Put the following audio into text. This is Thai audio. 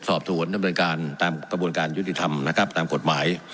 สอบสวนดำเนินการตามกระบวนการยุติธรรมนะครับตามกฎหมาย